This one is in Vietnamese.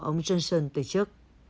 ông johnson từ chức